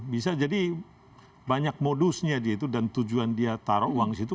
bisa jadi banyak modusnya dia itu dan tujuan dia taruh uang di situ